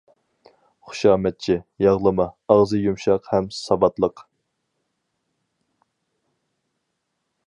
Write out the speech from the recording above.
خۇشامەتچى، ياغلىما، ئاغزى يۇمشاق ھەم ساۋاتلىق.